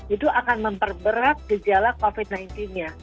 itu akan memperberat gejala covid sembilan belas nya